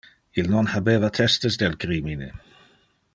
Il non habeva testes del crimine.